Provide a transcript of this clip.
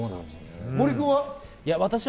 森君は？